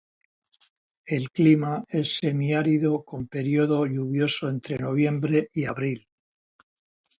El clima es semi-árido, con período lluvioso entre noviembre y abril.